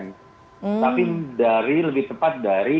tapi dari lebih cepat dari